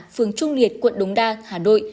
phường trung liệt quận đống đa hà nội